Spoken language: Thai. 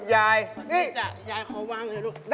มีความรู้สึกว่ามีความรู้สึกว่า